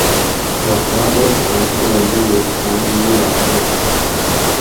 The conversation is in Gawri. غفار دور صنم کہ ارو دیگیر چھاں ایں جولاگ نہ ھوگ